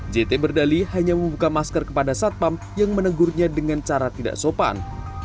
jt berdali hanya membuka masker kepada satpam yang menegurnya dengan cara tidak sopan